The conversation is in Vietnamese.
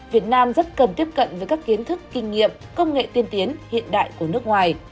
việt nam rất cần tiếp cận với các kiến thức kinh nghiệm công nghệ tiên tiến hiện đại của nước ngoài